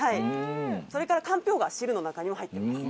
それからかんぴょうが汁の中にも入ってます。